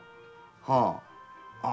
はあ。